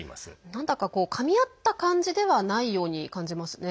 なんだか、かみ合った感じではないように感じますね。